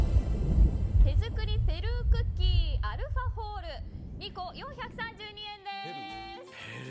手作りペルークッキーアルファホール２個４３２円です。